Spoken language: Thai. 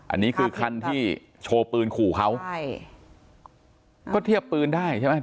อันนี้คือคันที่โชว์ปืนขู่เขาใช่ก็เทียบปืนได้ใช่ไหม